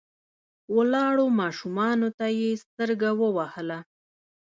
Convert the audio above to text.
ولاړو ماشومانو ته يې سترګه ووهله.